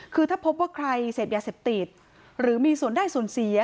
คือถ้าพบว่าใครเสพยาเสพติดหรือมีส่วนได้ส่วนเสีย